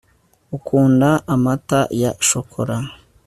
ukunda amata ya shokora